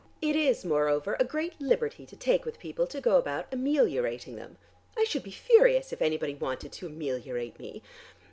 "It is moreover a great liberty to take with people to go about ameliorating them. I should be furious if anybody wanted to ameliorate me.